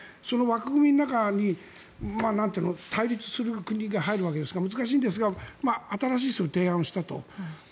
その枠組みの中に対立する国が入るわけですから難しいんですが新しい提案をしたと。